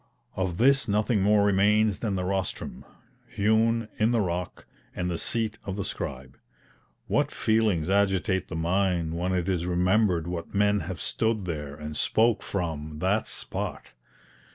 Of this nothing more remains than the rostrum, hewn in the rock, and the seat of the scribe. What feelings agitate the mind when it is remembered what men have stood there and spoke from that spot!